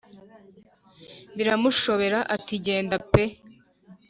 biramushobera ati genda pe